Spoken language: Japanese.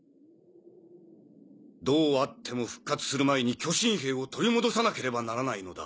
どうあっても復活する前に巨神兵を取り戻さなければならないのだ。